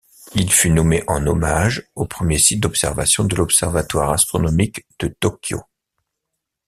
Il fut nommé en hommage au premier site d'observation de l'observatoire astronomique de Tokyo.